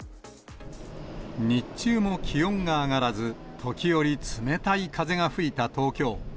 日中も気温が上がらず、時折冷たい風が吹いた東京。